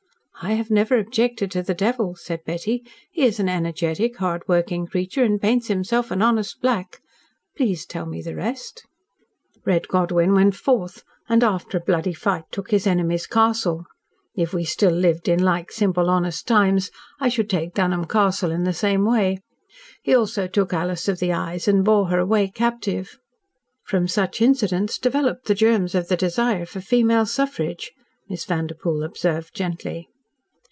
"I have never objected to the devil," said Betty. "He is an energetic, hard working creature and paints himself an honest black. Please tell me the rest." "Red Godwyn went forth, and after a bloody fight took his enemy's castle. If we still lived in like simple, honest times, I should take Dunholm Castle in the same way. He also took Alys of the Eyes and bore her away captive." "From such incidents developed the germs of the desire for female suffrage," Miss Vanderpoel observed gently.